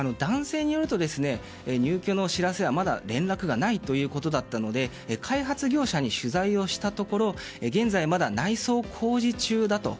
男性によると、入居の知らせはまだ連絡がないということだったので開発業者に取材をしたところ現在まだ内装工事中だと。